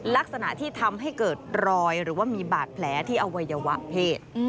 ลักษณะที่ทำให้เกิดรอยหรือว่ามีบาดแผลที่อวัยวะเพศ